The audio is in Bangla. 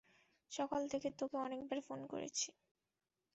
সকাল থেকে তোকে অনেকবার ফোন করেছি।